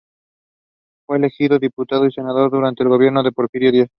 Fue elegido diputado y senador durante el gobierno de Porfirio Díaz.